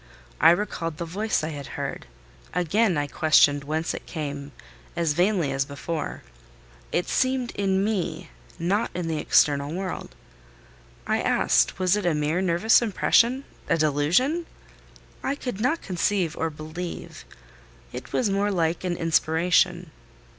I recalled the voice I had heard; again I questioned whence it came, as vainly as before: it seemed in me—not in the external world. I asked was it a mere nervous impression—a delusion? I could not conceive or believe: it was more like an inspiration.